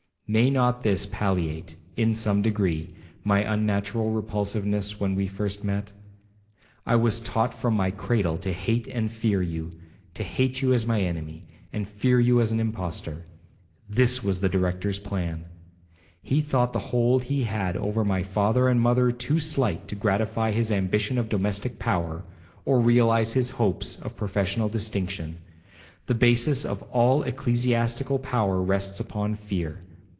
May not this palliate, in some degree, my unnatural repulsiveness when we first met? I was taught from my cradle to hate and fear you,—to hate you as an enemy, and fear you as an impostor. This was the Director's plan. He thought the hold he had over my father and mother too slight to gratify his ambition of domestic power, or realize his hopes of professional distinction. The basis of all ecclesiastical power rests upon fear.